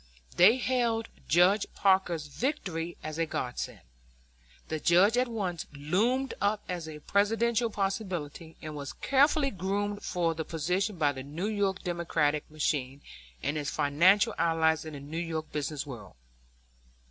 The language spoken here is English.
They hailed Judge Parker's victory as a godsend. The Judge at once loomed up as a Presidential possibility, and was carefully groomed for the position by the New York Democratic machine, and its financial allies in the New York business world.